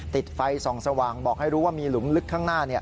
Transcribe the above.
ติดไฟส่องสว่างบอกให้รู้ว่ามีหลุมลึกข้างหน้า